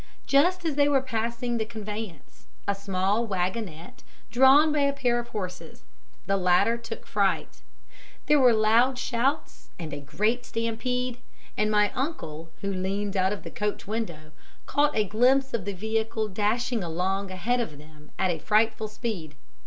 Just as they were passing the conveyance a small wagonette drawn by a pair of horses, the latter took fright; there were loud shouts and a great stampede, and my uncle, who leaned out of the coach window, caught a glimpse of the vehicle dashing along ahead of them at a frightful speed.